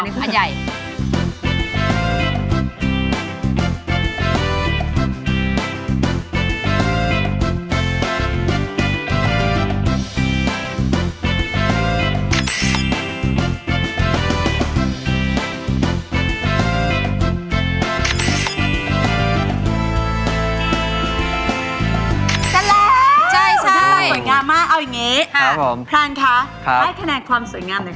สุดท้ายสวยงามมากเอาอย่างเนี้ยครับผมพลังคะค่ะให้คะแนนความสวยงามเลยค่ะ